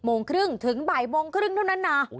โมงครึ่งถึงบ่ายโมงครึ่งเท่านั้นนะ